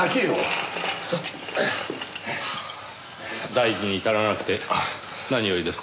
大事に至らなくて何よりです。